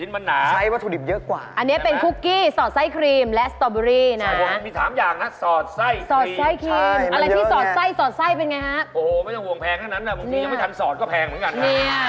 ไม่ต้องห่วงแพงแค่นั้นบางทียังไม่ทันสอดก็แพงเหมือนกัน